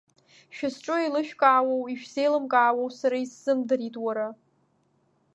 Шәызҿу еилышәкаауоу, ишәзеилымкаауоу сара исзымдырит, уара.